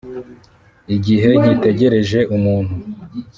igihe nkitegereje umuntu